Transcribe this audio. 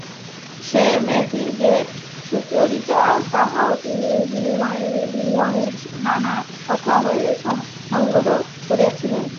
সে মেয়েটি যে সুচরিতা তাহাও তিনি বিনয়ের নানা কথা হইতে সংগ্রহ করিয়াছিলেন।